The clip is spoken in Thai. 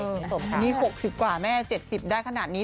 คุณผู้ชมค่ะนี่หกสิบกว่าแม่เจ็ดสิบได้ขนาดนี้